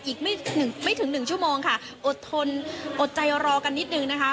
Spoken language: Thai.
อีกไม่หนึ่งไม่ถึง๑ชั่วโมงค่ะอดทนอดใจรอกันนิดนึงนะคะ